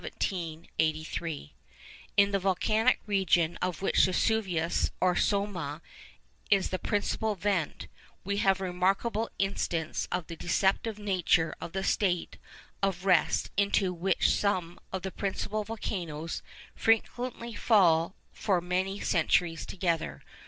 In the volcanic region of which Vesuvius or Somma is the principal vent, we have a remarkable instance of the deceptive nature of that state of rest into which some of the principal volcanoes frequently fall for many centuries together.